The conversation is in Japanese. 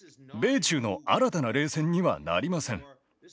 米中の新たな冷戦にはなりません。